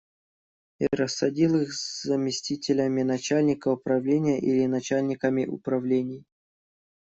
И рассадил их заместителями начальника управления или начальниками управлений.